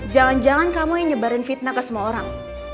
jangan jangan kamu yang nyebarin fitnah ke semua orang